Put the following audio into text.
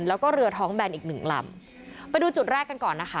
แล้วก็เรือท้องแบนอีกหนึ่งลำไปดูจุดแรกกันก่อนนะคะ